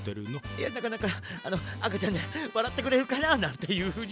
いやなんかあのあかちゃんならわらってくれるかな？なんていうふうに。